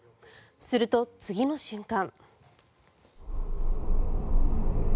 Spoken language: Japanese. すると次の瞬間。